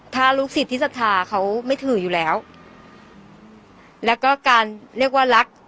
ถ้าลูกศิษย์ที่ศรัทธาเขาไม่ถืออยู่แล้วแล้วก็การเรียกว่ารัก